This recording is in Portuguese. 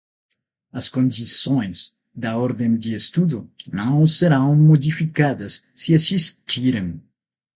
As condições da ordem de estudo não serão modificadas, se existirem.